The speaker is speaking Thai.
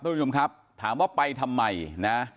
ทุกผู้ชมครับถามว่าไปทำไมนะ